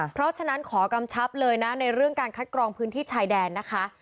เพราะฉะนั้นขอกำชับเลยนะในเรื่องการคัดกรองพื้นที่ชายแดนนะคะ